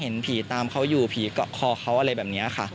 เห็นผีตามเขาอยู่ผีเกาะคอเขาอะไรแบบนี้ค่ะ